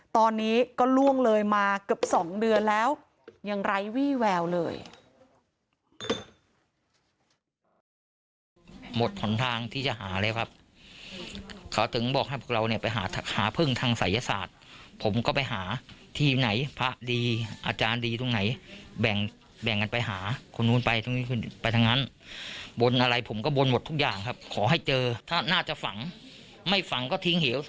ตอนนี้ก็ล่วงเลยมาเกือบ๒เดือนแล้ว